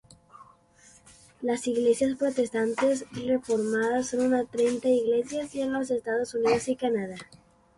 Las Iglesias Protestantes Reformadas son unas treinta iglesias en los Estados Unidos y Canadá.